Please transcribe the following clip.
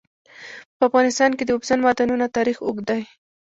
په افغانستان کې د اوبزین معدنونه تاریخ اوږد دی.